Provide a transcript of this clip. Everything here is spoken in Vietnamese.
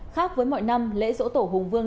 khác với mọi năm lễ dỗ tổ hùng vương